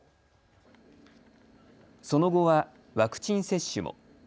その後はワクチン接種も。